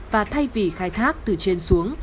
và thay vì khai thác từ trên xuống